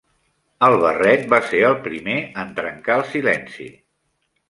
El barret va ser el primer en trencar el silenci.